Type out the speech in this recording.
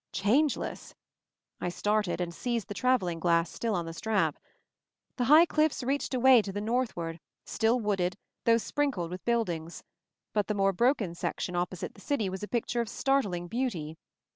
Changeless? I started, and seized the traveling glass still on the strap. The high cliffs reached away to the north ward, still wooded, though sprinkled with buildings; but the more broken section op* posite the city was a picture of startling beauty.